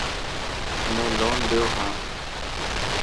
مين لون ليو هاڻ.